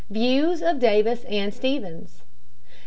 Views of Davis and Stephens.